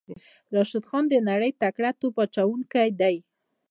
راشد خان د نړۍ تکړه توپ اچوونکی دی.